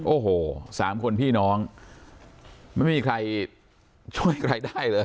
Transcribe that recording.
โอ้โหสามคนพี่น้องไม่มีใครช่วยใครได้เลย